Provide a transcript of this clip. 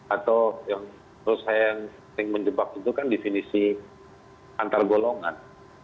atau yang menyebabkan itu kan definisi antargolongan